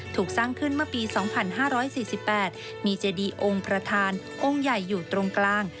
ถูกสร้างขึ้นเมื่อปี๒๕๔๘มีเจดีองค์ประธานองค์ใหญ่อยู่ตรงกลาง